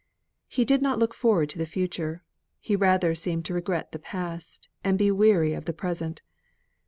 He did not look forward to the future; he rather seemed to regret the past, and be weary of the present.